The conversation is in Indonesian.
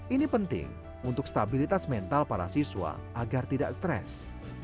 ini penting untuk stabilitas mental para siswa agar tidak stres